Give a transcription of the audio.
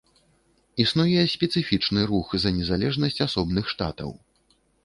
Існуе спецыфічны рух за незалежнасць асобных штатаў.